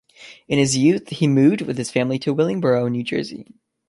In his youth he moved with his family to Willingboro, New Jersey.